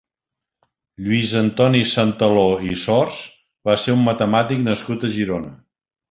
Lluís Antoni Santaló i Sors va ser un matemàtic nascut a Girona.